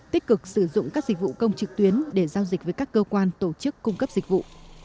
tích cực sử dụng các dịch vụ công trực tuyến để giao dịch với các cơ quan tổ chức cung cấp dịch vụ